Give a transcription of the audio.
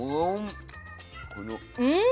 うん！